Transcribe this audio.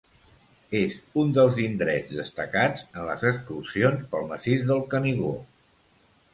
És un dels indrets destacats en les excursions pel massís del Canigó.